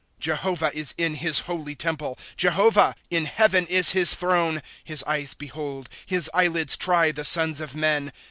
Jehovah is in his holy temple ; Jehovah, — in heaven is his throne. His eyes behold, His eyelids try, the sons of men.